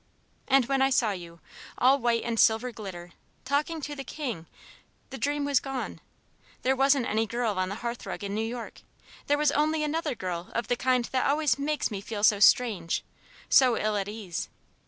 And when I saw you, all white and silver glitter, talking to the King the dream was gone. There wasn't any girl on the hearth rug in New York; there was only another girl of the kind that always makes me feel so strange, so ill at ease.